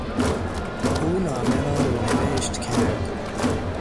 او نامه را رونوشت کرد.